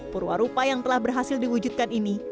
purwa rupa yang telah berhasil diwujudkan ini